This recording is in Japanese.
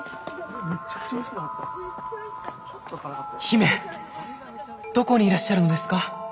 姫どこにいらっしゃるのですか？